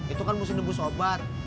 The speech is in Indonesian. itu kan musim debus obat